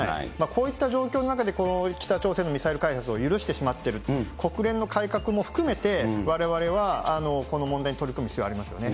こういった状況の中で、この北朝鮮のミサイル開発を許してしまってる国連の改革も含めて、われわれはこの問題に取り組む必要がありますよね。